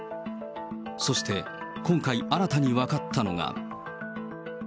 そして今回、新たに分かったのが。